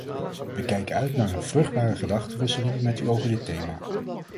We kijken uit naar een vruchtbare gedachtewisseling met u over dit thema.